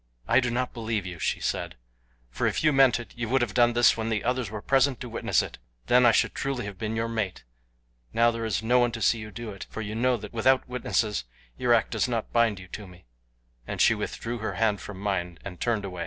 "I do not believe you," she said, "for if you meant it you would have done this when the others were present to witness it then I should truly have been your mate; now there is no one to see you do it, for you know that without witnesses your act does not bind you to me," and she withdrew her hand from mine and turned away.